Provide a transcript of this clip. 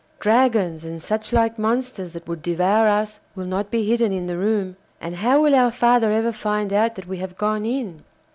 'Dragons and such like monsters that would devour us will not be hidden in the room. And how will our father ever find out that we have gone in?